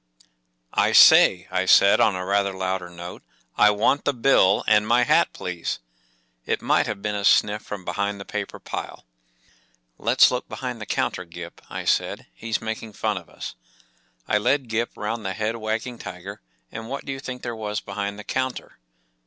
.,*£* I say,” I said, on a rather louder note, 41 1 want the bill ; and my hat, please,” It might have been a sniff from behind the paper pile. .,. 41 Let’s look be¬ hind the counter, Gip,” I said. “ He’s making furt of us.” 1 led Gip round the head wagging tiger, and what do you think there was behind the counter